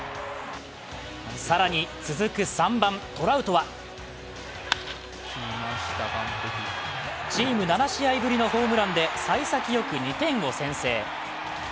更に続く３番・トラウトはチーム７試合ぶりのホームランで幸先よく２点を先制。